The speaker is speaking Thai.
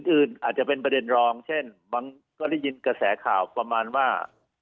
อื่นอาจจะเป็นประเด็นรองเช่นบางก็ได้ยินกระแสข่าวประมาณว่า